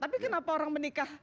tapi kenapa orang menikah